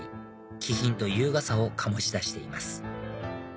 気品と優雅さを醸し出しています